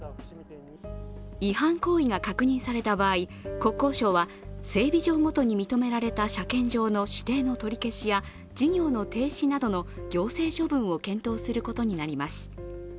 違反行為が確認された場合、国交省は整備場ごとに認められた車検場の指定の取り消しや事業の停止などの行政処分を検討することになります。